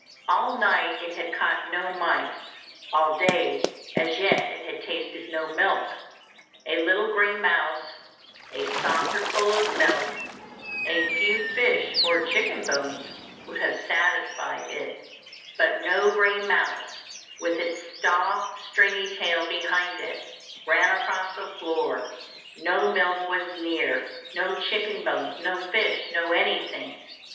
All night it had caught no mice; all day as yet it had tasted no milk. A little grey mouse, a saucerful of milk, a few fish or chicken bones, would have satisfied it; but no grey mouse, with its soft stringy tail behind it, ran across the floor; no milk was near, no chicken bones, no fish, no anything.